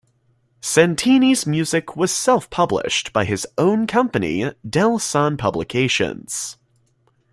Santini's music was self-published by his own company, DelSan Publications.